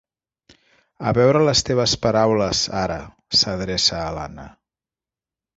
A veure les teves paraules, ara —s'adreça a l'Anna.